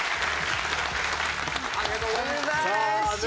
ありがとうございます。